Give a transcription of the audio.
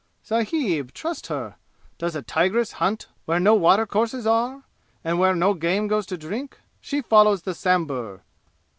"Sahib, trust her! Does a tigress hunt where no watercourses are, and where no game goes to drink? She follows the sambur!"